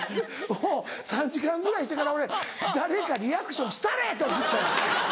３時間ぐらいしてから俺「誰かリアクションしたれ！」って送った。